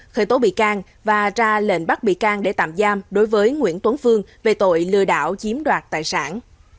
khởi tố bị can và ra lệnh bắt bị can để tạm giam đối với nguyễn tuấn phương về tội lừa đảo chiếm đoạt tài sản